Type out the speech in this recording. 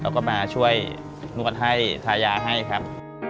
แล้วก็มาช่วยนวดให้ทายาให้ครับ